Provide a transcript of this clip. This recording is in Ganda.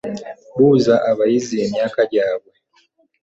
Buuza abayizi emyaka gyabwe.